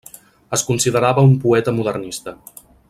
Es considerava un poeta modernista.